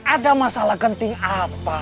ada masalah genting apa